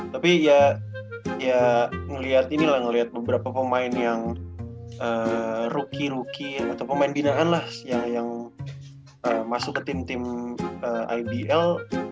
tapi ya ngelihat ini lah ngeliat beberapa pemain yang rookie rooking atau pemain binaan lah yang masuk ke tim tim ibl